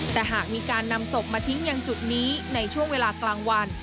แต่หากมีการนำศพมาทิ้งอย่างจุดนี้ในช่วงเวลากลางวัน